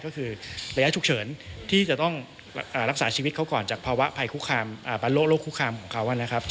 ก็คือระยะฉุกเฉินที่จะต้องรักษาชีวิตเขาก่อนจากภาวะภัยโรคคุกคามของเขานะครับ